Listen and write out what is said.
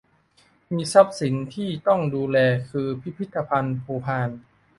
มีทรัพย์สินที่ต้องดูแลคือพิพิธภัณฑ์ภูพาน